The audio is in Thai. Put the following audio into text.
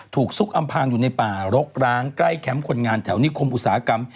ซุกอำพางอยู่ในป่ารกร้างใกล้แคมป์คนงานแถวนิคมอุตสาหกรรม